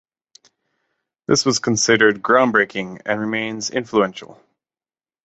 This was considered groundbreaking and remains influential.